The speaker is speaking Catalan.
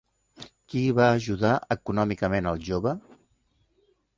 Qui va ajudar econòmicament al jove?